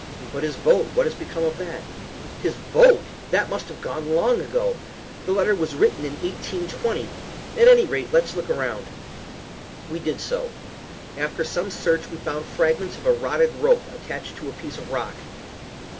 "But his boat, what has become of that?" "His boat! That must have gone long ago. The letter was written in 1820. At any rate, let's look around." We did so. After some search we found fragments of a rotted rope attached to a piece of rock.